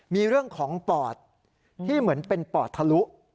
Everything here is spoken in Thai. มีเรื่องของปอดที่เหมือนเป็นปอดทะลุ